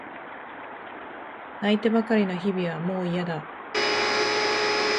泣いてばかりの日々はもういやだ。